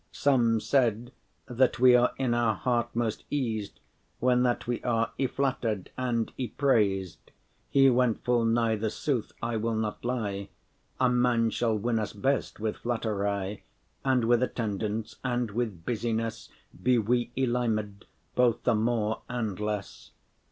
Some said, that we are in our heart most eased When that we are y flatter’d and y praised. He *went full nigh the sooth,* I will not lie; *came very near A man shall win us best with flattery; the truth* And with attendance, and with business Be we y limed,* bothe more and less.